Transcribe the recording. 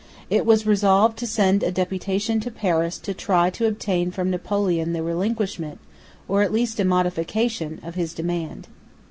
It was resolved to send a deputation to Paris to try to obtain from Napoleon the relinquishment, or at least a modification, of his demand.